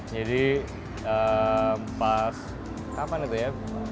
jadi pas kapan itu ya